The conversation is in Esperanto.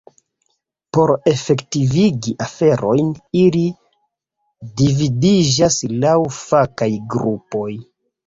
Por efektivigi aferojn, ili dividiĝas laŭ fakaj grupoj.